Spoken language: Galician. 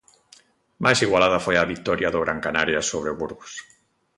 Máis igualada foi a vitoria do Gran Canaria sobre o Burgos.